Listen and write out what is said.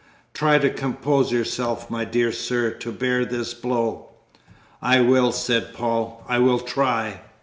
Try to compose yourself, my dear sir, to bear this blow." "I will," said Paul, "I will try."